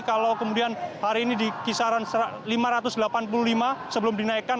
kalau kemudian hari ini di kisaran lima ratus delapan puluh lima sebelum dinaikkan